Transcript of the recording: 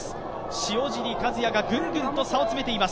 塩尻和也がぐんぐんと差を詰めています。